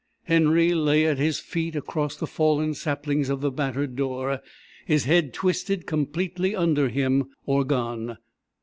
Henry lay at his feet across the fallen saplings of the battered door, his head twisted completely under him or gone.